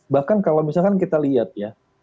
bahkan kalau misalkan kita lihat ya